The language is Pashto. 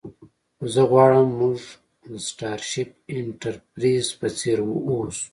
خو زه غواړم موږ د سټارشیپ انټرپریز په څیر اوسو